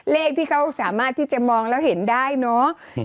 เลขที่เขาสามารถที่จะมองแล้วเห็นได้เนาะ